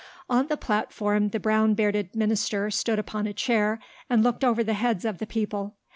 On the platform the brown bearded minister stood upon a chair and looked over the heads of the people.